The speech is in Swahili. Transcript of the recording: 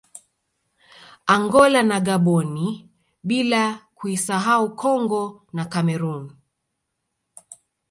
Angola na Gaboni bila kuisahau Congo na Cameroon